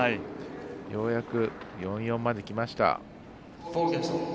ようやく、４−４まできました。